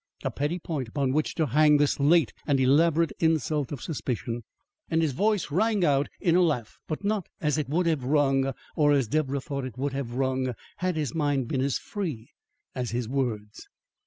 A petty point upon which to hang this late and elaborate insult of suspicion!" And his voice rang out in a laugh, but not as it would have rung, or as Deborah thought it would have rung, had his mind been as free as his words.